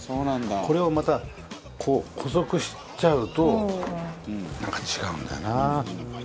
これをまた細くしちゃうとなんか違うんだよな。